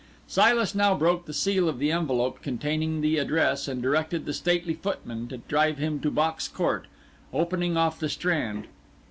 Silas now broke the seal of the envelope containing the address, and directed the stately footman to drive him to Box Court, opening off the Strand.